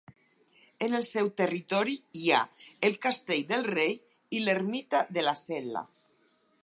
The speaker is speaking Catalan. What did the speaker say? En el seu territori hi ha el Castell del Rei i l'ermita de la Cel·la.